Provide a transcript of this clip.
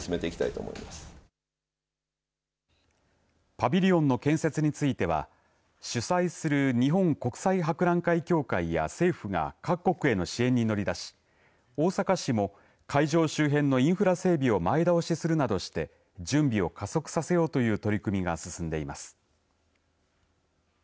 パビリオンの建設については主催する日本国際博覧会協会や政府が各国への支援に乗り出し大阪市も会場周辺のインフラ整備を前倒しするなどして準備を加速させようという取り組みが進んでいます。